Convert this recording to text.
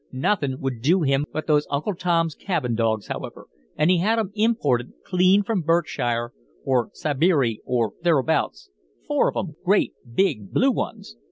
"Nothin' would do him but those Uncle Tom's Cabin dogs, however, and he had 'em imported clean from Berkshire or Sibeery or thereabouts, four of 'em, great, big, blue ones.